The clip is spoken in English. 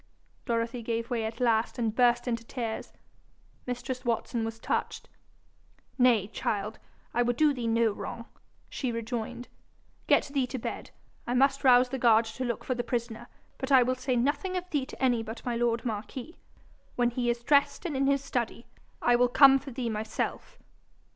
Dorothy gave way at last and burst into tears. Mistress Watson was touched. 'Nay, child, I would do thee no wrong,' she rejoined. 'Get thee to bed. I must rouse the guard to go look for the prisoner, but I will say nothing of thee to any but my lord marquis. When he is dressed and in his study, I will come for thee myself.'